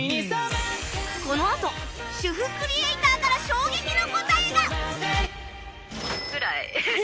このあと主婦クリエイターから衝撃の答えが！ぐらい。